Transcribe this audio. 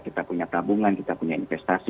kita punya tabungan kita punya investasi